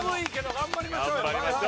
頑張りましょう。